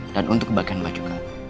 dan untuk kebahagiaan mbak juga